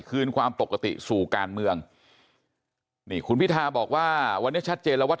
คืนความปกติสู่การเมืองนี่คุณพิทาบอกว่าวันนี้ชัดเจนแล้วว่า